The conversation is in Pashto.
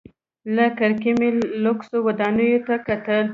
له کړکۍ مې لوکسو ودانیو ته کتل.